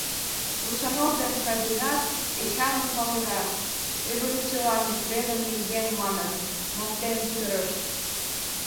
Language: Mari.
Русанов ден Шадринат, Эчаным палена, революцийлан преданный еҥ манын, моктен кутырышт.